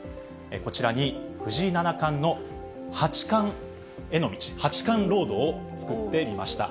こちらに藤井七冠の八冠への道、八冠ロードを作ってみました。